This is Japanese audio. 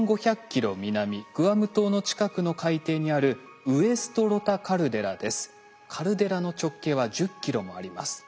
南グアム島の近くの海底にあるカルデラの直径は１０ｋｍもあります。